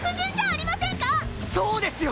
そうですよ！